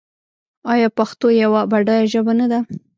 آیا پښتو یوه بډایه ژبه نه ده؟